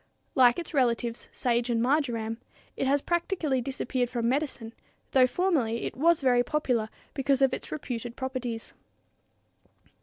Like its relatives sage and marjoram, it has practically disappeared from medicine, though formerly it was very popular because of its reputed properties.